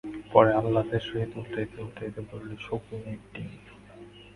পরে আহ্বাদের সহিত উলটাইতে-পালটাইতে বলিল, শকুনির ডিম!